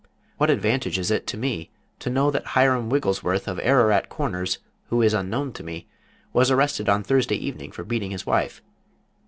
What advantage is it to me to know that Hiram Wigglesworth, of Ararat Corners, who is unknown to me, was arrested on Thursday evening for beating his wife?